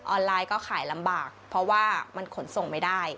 ไลน์ก็ขายลำบากเพราะว่ามันขนส่งไม่ได้